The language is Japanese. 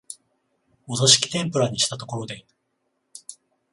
お座敷天婦羅にしたところで、